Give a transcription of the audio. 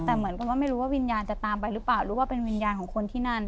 แต่เหมือนกับว่าไม่รู้ว่าวิญญาณจะตามไปหรือเปล่าหรือว่าเป็นวิญญาณของคนที่นั่น